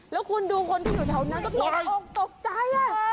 แล้วคุณดูคนที่อยู่แถวนั้นก็ตกออกตกใจ